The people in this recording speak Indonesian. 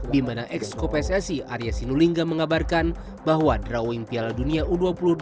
di mana ex kop ssi arya sinulinga mengabarkan bahwa drawing piala dunia u dua puluh dua